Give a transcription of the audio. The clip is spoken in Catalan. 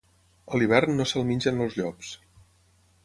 A l'hivern no se'l mengen els llops.